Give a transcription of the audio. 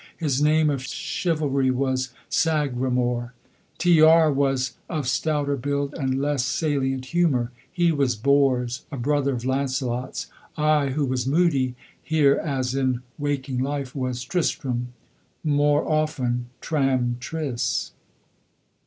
His name of chivalry was Sagramor. T r was of stouter build and less salient humour. He was Bors, a brother of Lancelot's. I, who was moody, here as in waking life, was Tristram, more often Tramtris.